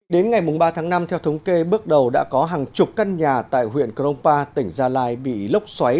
đến ngày ba tháng năm theo thống kê bước đầu đã có hàng chục căn nhà tại huyện cronpa tỉnh gia lai bị lốc xoáy